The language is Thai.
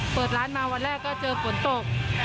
เปิดร้านมาวันแรกก็เจอฝนตก